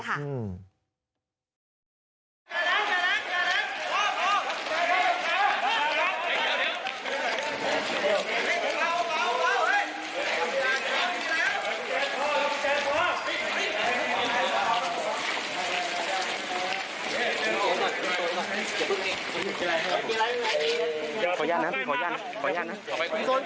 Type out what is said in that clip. ขออนุญาตนะครับขออนุญาตนะครับ